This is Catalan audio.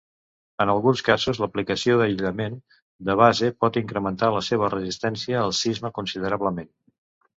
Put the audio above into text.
En alguns casos, l'aplicació d'aïllament de base pot incrementar la seva resistència al sisme considerablement.